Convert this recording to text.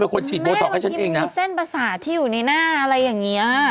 แม่มันมีเส้นประสาทที่อยู่ในหน้าอะไรอย่างนี้